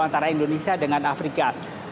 antara indonesia dengan afrika